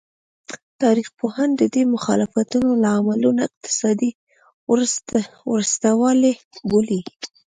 تاریخ پوهان د دې مخالفتونو لاملونه اقتصادي وروسته والی بولي.